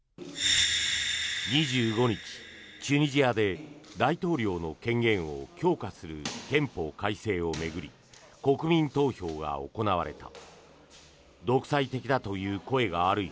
２５日、チュニジアで大統領の権限を強化する憲法改正を巡り国民投票が行われた。